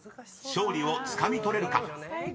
［勝利をつかみ取れるか？］